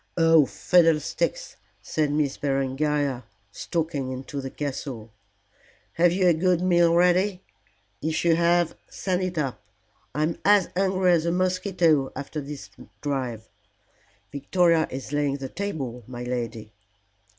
"Oh, fiddlesticks!" said Miss Berengaria, stalking into the castle. "Have you a good meal ready? If you have, send it up. I'm as hungry as a mosquito after my drive." "Victoria is laying the table, my lady."